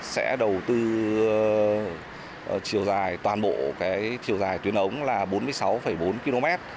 sẽ đầu tư chiều dài toàn bộ chiều dài tuyến ống là bốn mươi sáu bốn km